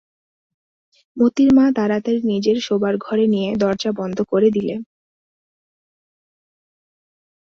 মোতির মা তাড়াতাড়ি নিজের শোবার ঘরে নিয়ে দরজা বন্ধ করে দিলে।